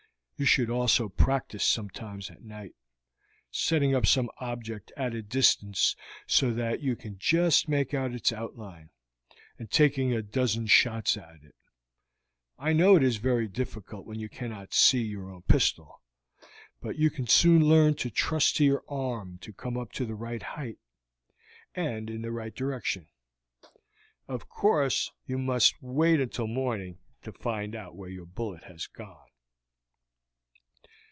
You should also practice sometimes at night, setting up some object at a distance so that you can just make out its outline, and taking a dozen shots at it. I know it is very difficult when you cannot see your own pistol, but you can soon learn to trust to your arm to come up to the right height and in the right direction. Of course you must wait until morning to find out where your bullet has gone."